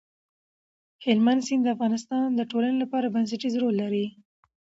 هلمند سیند د افغانستان د ټولنې لپاره بنسټيز رول لري.